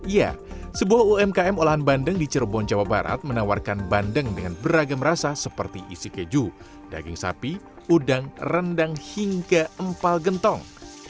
ya sebuah umkm olahan bandeng di cirebon jawa barat menawarkan bandeng dengan beragam rasa seperti isi keju daging sapi udang rendang hingga empal gentong